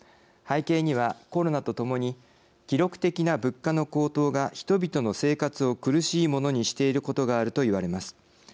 背景には、コロナとともに記録的な物価の高騰が人々の生活を苦しいものにしていることがあると言われます。